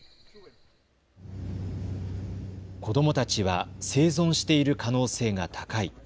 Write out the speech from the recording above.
子どもたちは生存している可能性が高い。